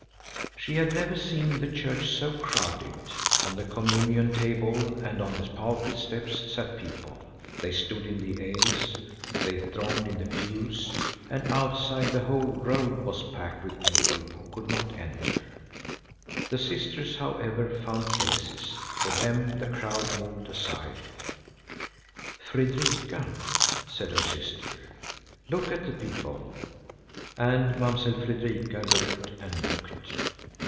She had never seen the church so crowded: on the communion table and on the pulpit steps sat people; they stood in the aisles, they thronged in the pews, and outside the whole road was packed with people who could not enter. The sisters, however, found places; for them the crowd moved aside. "Fredrika," said her sister, "look at the people!" And Mamsell Fredrika looked and looked.